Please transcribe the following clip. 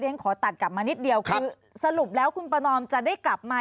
ฉันขอตัดกลับมานิดเดียวคือสรุปแล้วคุณประนอมจะได้กลับมา